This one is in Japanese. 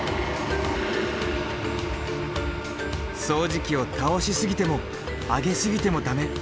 掃除機を倒しすぎても上げすぎても駄目。